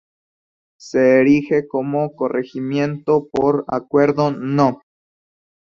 Se erige como corregimiento por Acuerdo No.